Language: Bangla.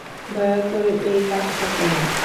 দয়া করে এই কাজটা করো।